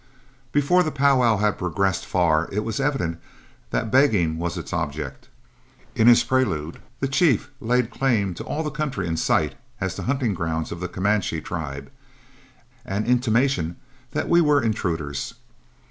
Before the powwow had progressed far it was evident that begging was its object. In his prelude, the chief laid claim to all the country in sight as the hunting grounds of the Comanche tribe, an intimation that we were intruders.